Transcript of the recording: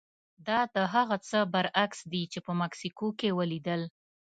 دا د هغه څه برعکس دي چې په مکسیکو کې ولیدل.